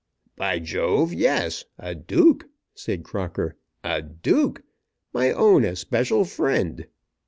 "By Jove, yes! A Duke," said Crocker. "A Duke! My own especial friend!